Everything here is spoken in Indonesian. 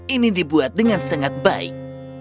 ini dibuat dengan sangat baik